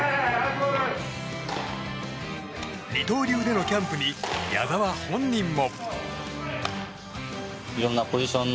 二刀流でのキャンプに矢澤本人も。